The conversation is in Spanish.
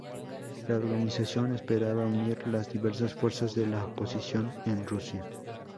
La organización esperaba unir las diversas fuerzas de la oposición en Rusia.